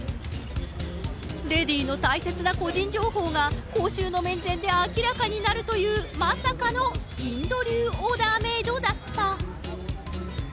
レディーの大切な個人情報が公衆の面前で明らかになるというまさかのインド流オーダーメードだった。